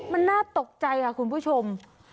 มันน่าตกใจค่ะคุณผู้ชม